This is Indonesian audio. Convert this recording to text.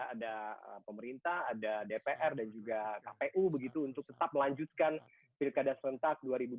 ada pemerintah ada dpr dan juga kpu begitu untuk tetap melanjutkan pilkada serentak dua ribu dua puluh